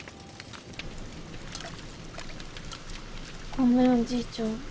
ごめんおじいちゃん。